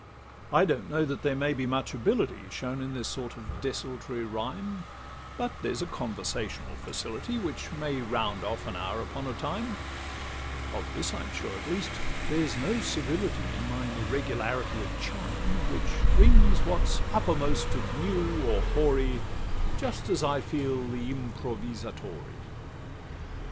I don't know that there may be much ability Shown in this sort of desultory rhyme; But there's a conversational facility, Which may round off an hour upon a time. Of this I'm sure at least, there's no servility In mine irregularity of chime, Which rings what 's uppermost of new or hoary, Just as I feel the 'Improvvisatore.